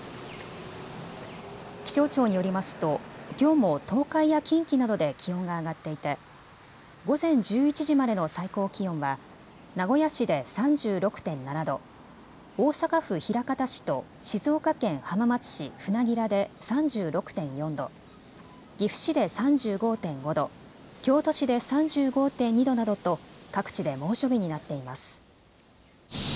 気象庁によりますときょうも東海や近畿などで気温が上がっていて午前１１時までの最高気温は名古屋市で３６．７度、大阪府枚方市と静岡県浜松市船明で３６．４度、岐阜市で３５．５度、京都市で３５．２度などと各地で猛暑日になっています。